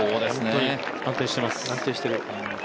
安定してます。